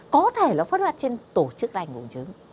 có thể nó xuất phát trên tổ chức lành bùng trứng